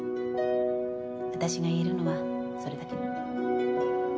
あたしが言えるのはそれだけ。